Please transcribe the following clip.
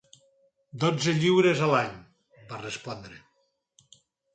"Dotze lliures a l'any", va respondre.